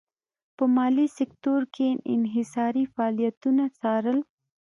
په مالي سکتور کې یې انحصاري فعالیتونه څارل.